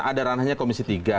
ada ranahnya komisi tiga